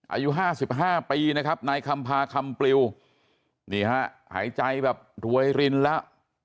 อายุ๕๕ปีนะครับนายคำพาคำปลิวนี่ฮะหายใจแบบรวยรินแล้ว